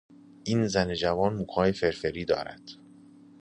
این زن جوان موهای فرفری دارد.